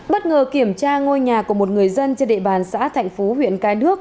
bất ngờ kiểm tra ngôi nhà của một người dân trên địa bàn xã thạnh phú huyện cái đước